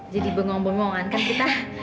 jadi bengong bengongan kan kita